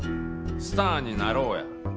「スターになろう！」や。